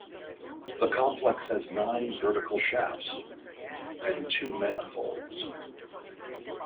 The complex has nine vertical shafts; and two manifolds.